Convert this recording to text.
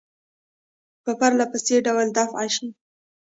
په پرله پسې ډول دفع شي.